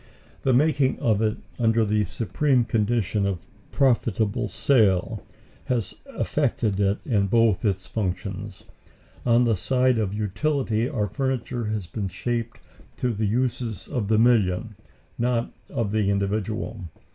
The making of it under the supreme condition of profitable sale has affected it in both its functions. On the side of utility our furniture has been shaped to the uses of the million, not of the individual.